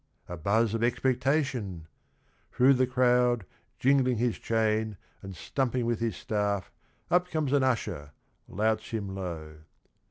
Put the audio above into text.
A buzz of expectation ! Through the crowd, Jingling his chain and stumping with his staff, Up comes an usher, louts him low.